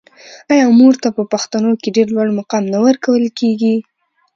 آیا مور ته په پښتنو کې ډیر لوړ مقام نه ورکول کیږي؟